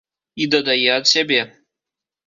І дадае ад сябе.